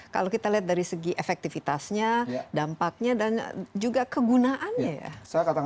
kalau kita lihat dari segi efektivitasnya dampaknya dan juga kegunaannya ya